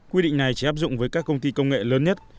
quy định này chỉ áp dụng với các công ty công nghệ lớn nhất